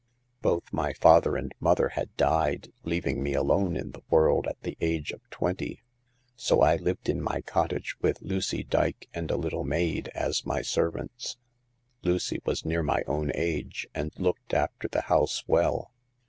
Both my father and mother had died, leaving me alone in the world at the age of twenty ; so I lived in my cottage with Lucy Dyke and a little maid as my servants. Lucy was near my own age, and looked after the house well.